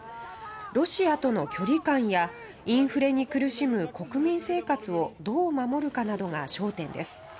ロシアとの距離感やインフレに苦しむ国民生活をどう守るかなどが焦点です。